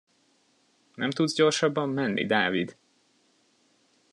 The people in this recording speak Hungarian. Nem tudsz gyorsabban menni, Dávid?